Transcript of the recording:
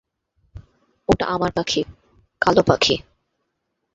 ওটা আমার পাখি, কালোপাখি।